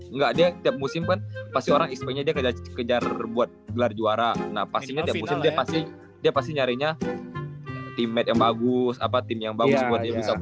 engga dia tiap musim kan pasti orang xp nya dia kejar buat gelar juara nah pastinya tiap musim dia pasti dia pasti nyarinya teammate yang bagus apa tim yang bagus buat dia bisa pompir buat si musimnya